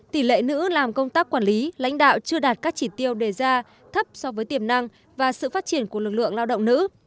tỷ lệ nữ làm công tác quản lý lãnh đạo chưa đạt các chỉ tiêu đề ra thấp so với tiềm năng và sự phát triển của lực lượng lao động nữ